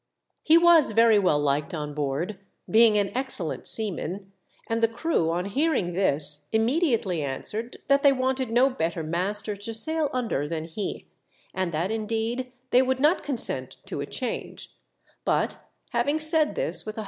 He was very well liked on board, being an excellent seaman ; and the crew on hear ing this, immediately answered that they wanted no better master to sail under than he, and that, indeed, they would not consent to a change ; but having said this with a 60 THE DEATH SHIP.